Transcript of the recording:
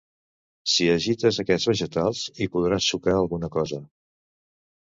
Si agites aquests vegetals hi podràs sucar alguna cosa.